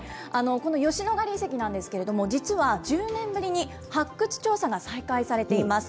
この吉野ヶ里遺跡なんですけれども、実は１０年ぶりに発掘調査が再開されています。